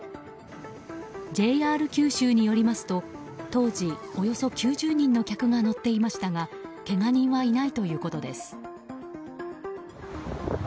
ＪＲ九州によりますと当時、およそ９０人の客が乗っていましたがけが人はいないということです。